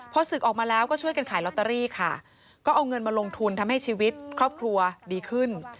พอศึกออกมาแล้วก็ช่วยกันขายลอตเตอรี่ค่ะก็เอาเงินมาลงทุนทำให้ชีวิตครอบครัวดีขึ้น